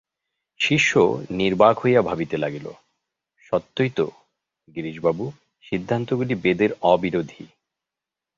শিষ্য নির্বাক হইয়া ভাবিতে লাগিল, সত্যই তো গিরিশবাবু সিদ্ধান্তগুলি বেদের অবিরোধী।